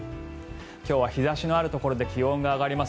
今日は日差しのあるところで気温が上がります。